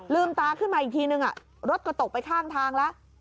ตาขึ้นมาอีกทีนึงรถก็ตกไปข้างทางแล้ว